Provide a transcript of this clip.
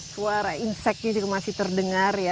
suara insekt juga masih terdengar